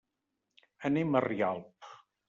Anem a Rialp.